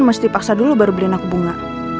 mesti paksa dulu baru beli anak bunga